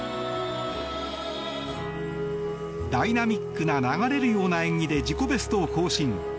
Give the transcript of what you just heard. ダイナミックな流れるような演技で自己ベストを更新。